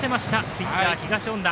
ピッチャー、東恩納。